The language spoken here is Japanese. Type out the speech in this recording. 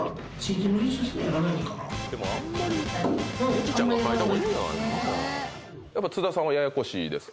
リチちゃんが書いた方がいいんじゃないの？